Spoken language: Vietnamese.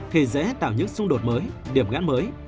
thì dễ tạo những xung đột mới điểm ngãn mới